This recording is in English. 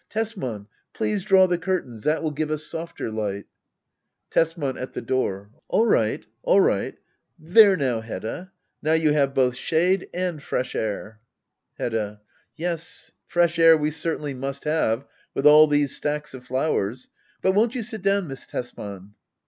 Tesmaiiy please draw the curtains. That will give a softer light. Tbsman. [At the door,] All right — all right. — ^There now, Hedda, now you have both shade and fresh air. Hedda. Yes, fresh air we certainly must have, with all these stacks of flowers . But — won't you sit down. Miss Tesman